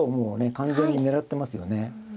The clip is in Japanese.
完全に狙ってますよね。